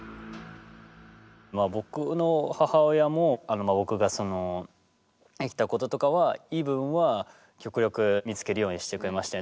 まあ僕の母親も僕ができたこととかはいい部分は極力見つけるようにしてくれましたね。